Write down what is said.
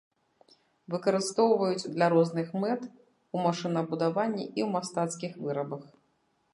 Выкарыстоўваюць для розных мэт у машынабудаванні і ў мастацкіх вырабах.